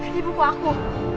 di buku aku